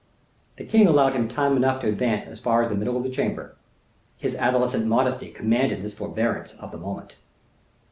The king allowed him time enough to advance as far as the middle of the chamber. His adolescent modesty commanded this forbearance of the moment.